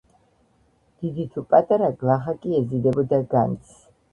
დიდი თუ პატარა, გლახაკი ეზიდებოდა განძს.